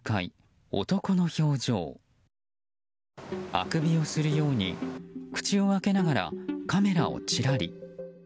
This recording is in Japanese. あくびをするように口を開けながらカメラをチラリ。